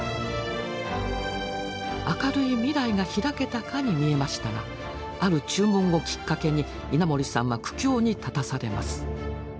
明るい未来が開けたかに見えましたがある注文をきっかけに稲盛さんは苦境に立たされます。